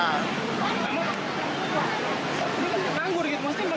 itu kan anggur gitu maksudnya nggak bisa